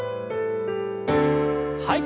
はい。